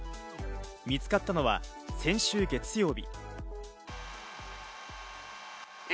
見つかったのは先週月曜日。